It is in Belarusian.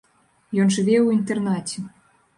Ён жыве ў інтэрнаце.